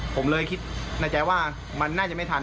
ผมเลยคิดในใจว่ามันน่าจะไม่ทัน